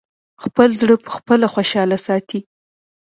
خپل زړه پخپله خوشاله ساتی!